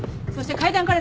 階段から？